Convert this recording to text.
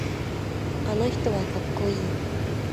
あの人はかっこいい。